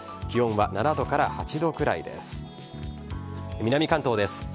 気温は７度から８度くらいです。